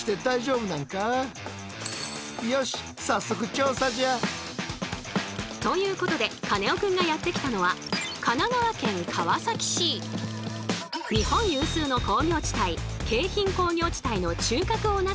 実際ということでカネオくんがやって来たのは日本有数の工業地帯京浜工業地帯の中核をなす街の一つ。